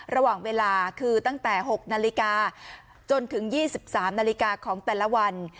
ระหว่างเวลาคือตั้งแต่๖นาฬิกาจนถึง๒๓นาฬิกาของแต่ละวัน